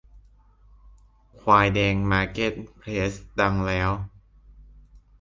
ควายแดงมาร์เก็ตเพลสดังแล้ว